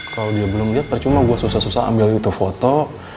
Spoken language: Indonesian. kalo dia belum liat percuma gue susah susah ambil itu foto